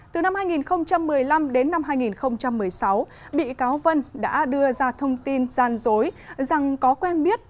từ năm hai nghìn một mươi năm đến năm hai nghìn một mươi sáu bị cáo vân đã đưa ra thông tin gian dối rằng có quen biết